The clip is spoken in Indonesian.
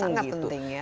sangat penting ya